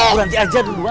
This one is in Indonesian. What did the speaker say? buranti aja duluan